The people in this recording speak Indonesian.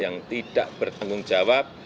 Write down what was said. yang tidak bertanggung jawab